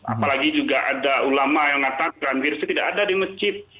apalagi juga ada ulama yang mengatakan virusnya tidak ada di masjid